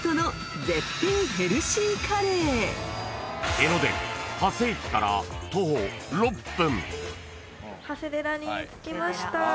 ［江ノ電長谷駅から徒歩６分］